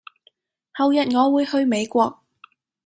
後日我會去美國